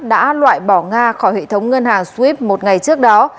và loại bỏ nga khỏi hệ thống ngân hàng swift một ngày trước đó